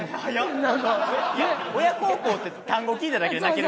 「親孝行」って単語聞いただけで泣ける。